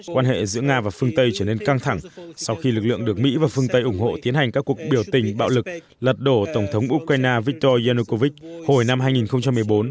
quan hệ giữa nga và phương tây trở nên căng thẳng sau khi lực lượng được mỹ và phương tây ủng hộ tiến hành các cuộc biểu tình bạo lực lật đổ tổng thống ukraine victor jennocovich hồi năm hai nghìn một mươi bốn